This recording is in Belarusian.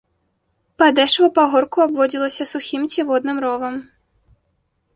Падэшва пагорку абводзілася сухім ці водным ровам.